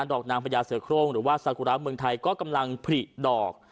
ดอกนางพญาเสือโครงหรือว่าซากุระเมืองไทยก็กำลังผลิดอก